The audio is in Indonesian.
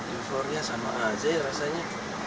euforia sama aja ya rasanya